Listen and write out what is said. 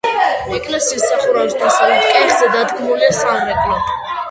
ეკლესიის სახურავის დასავლეთ კეხზე დადგმულია სამრეკლო.